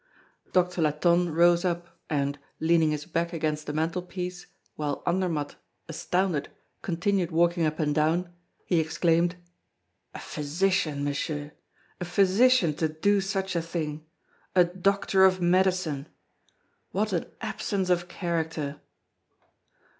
Doctor Latonne rose up and, leaning his back against the mantelpiece, while Andermatt, astounded, continued walking up and down, he exclaimed: "A physician, Monsieur, a physician to do such a thing! a doctor of medicine! what an absence of character!"